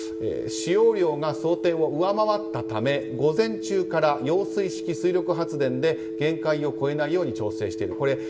使用量が想定を上回ったため午前中から揚水式水力発電で限界を超えないように調整している。